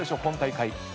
今大会。